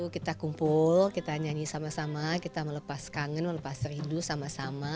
kita kumpul kita nyanyi sama sama kita melepas kangen melepas rindu sama sama